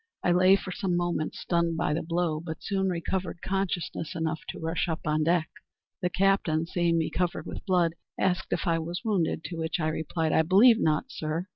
I lay for some moments stunned by the blow, but soon recovered consciousness enough to rush up on deck. The captain seeing me covered with blood, asked if I was wounded; to which I replied, 'I believe not, sir.'